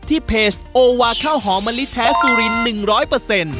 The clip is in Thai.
ที่เพจโอวาข้าวหอมนาลิแท้สุรินภ์๑๐๐